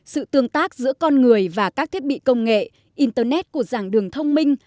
sự tương tác giữa con người và các thiết bị công nghệ internet của giảng đường thông minh